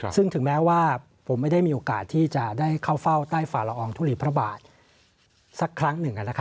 ซึ่งถึงแม้ว่าผมไม่ได้มีโอกาสที่จะได้เข้าเฝ้าใต้ฝ่าละอองทุลีพระบาทสักครั้งหนึ่ง